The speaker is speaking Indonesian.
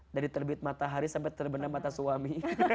dari terbit matahari sampai terbenam mata suami